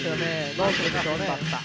どうするんでしょうね。